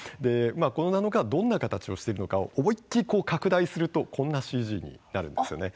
このナノカーどんな形をしているのかを思いっきり拡大するとこんなＣＧになるんですよね。